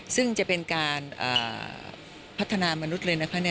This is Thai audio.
ซึ่งจะเป็นการพัฒนามนุษย์เลยนะคะ